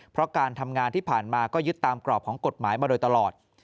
เพราะการทำงานที่ผ่านมาก็ยึดตามกรอบของกฎหมายมาโดยตลอด